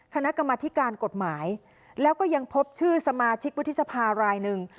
คณะกรรมธิการกฎหมายแล้วก็ยังพบชื่อสมาชิกวุฒิสภารายหนึ่ง